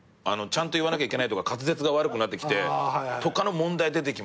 ちゃんと言わなきゃいけないとか滑舌が悪くなってきてとかの問題出てきますよね。